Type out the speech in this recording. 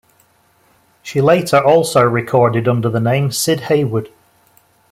She later also recorded under the name Sid Haywoode.